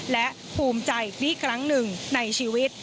และภูมิใจอีกครั้งหนึ่งในชีวิต